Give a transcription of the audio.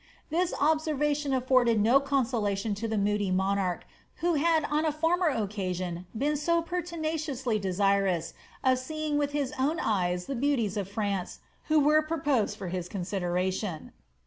This observation afforded no conso lation to the moody monarch, who had on a former occasion been so ' pertinaciously desirous of seeing with his own eyes the beauties of France, who were proposed to his consideration.